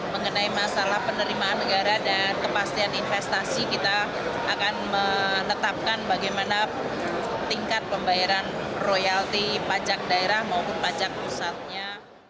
mengenai masalah penerimaan negara dan kepastian investasi kita akan menetapkan bagaimana tingkat pembayaran royalti pajak daerah maupun pajak pusatnya